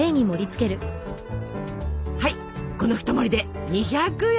はいこの一盛りで２００円。